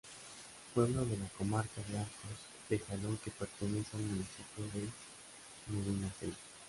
Pueblo de la Comarca de Arcos de Jalón que pertenece al municipio de Medinaceli.